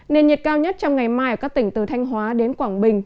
nền nhiệt cao nhất trong ngày mai ở các tỉnh từ thanh hóa đến quảng bình